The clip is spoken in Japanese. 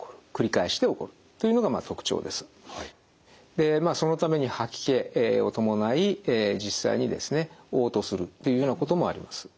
でまあそのために吐き気を伴い実際にですねおう吐するというようなこともあります。